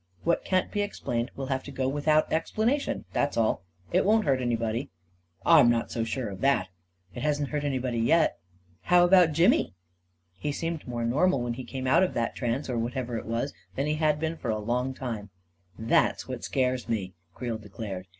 What can't be explained, will have to go without explanation, that's all ! It won't hurt anybody." 44 I'm not so sure of that 1 "" It hasn't hurt anybody yet." 14 How about Jimmy? " 44 He seemed more normal when he came out of that trance — or whatever it was — than he'd been for a long time." 44 That's what scares me," Creel declared.